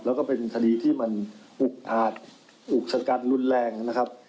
แล้วก็เป็นคดีที่มันอุกอาจอุกชะกันรุนแรงนะครับ